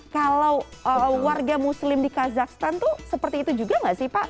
kalau warga muslim di kazakhstan itu seperti itu juga nggak sih pak